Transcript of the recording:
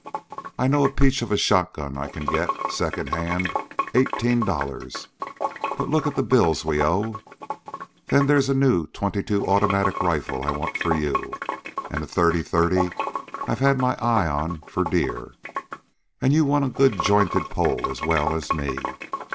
I know a peach of a shotgun I can get, second hand, eighteen dollars; but look at the bills we owe. Then there's a new '22 Automatic rifle I want for you. An' a 30 30 I've had my eye on for deer. An' you want a good jointed pole as well as me.